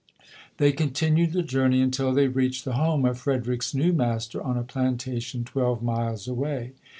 They continued the journey until they reached the home of Frederick's new master on a plantation twelve miles away.